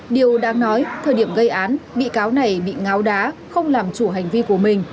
điều đáng nói thời điểm gây án bị cáo này bị ngáo đá không làm chủ hành vi của mình